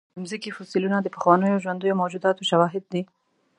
د مځکې فوسیلونه د پخوانیو ژوندیو موجوداتو شواهد دي.